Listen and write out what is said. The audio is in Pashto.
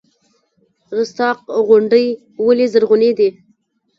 رستاق غونډۍ ولې زرغونې دي؟